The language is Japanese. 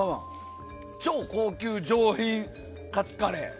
超高級上品カツカレー。